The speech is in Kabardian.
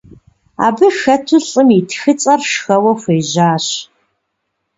Абы хэту лӀым и тхыцӀэр шхэуэ хуежьащ.